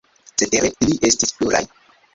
Cetere, ili estis pluraj.